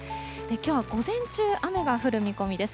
きょうは午前中、雨が降る見込みです。